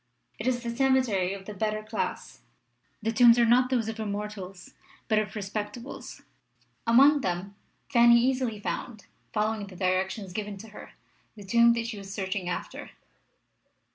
It is the cemetery of the better class. The tombs are not those of Immortals but of Respectables. Among them Fanny easily found, following the directions given to her, the tomb she was searching after.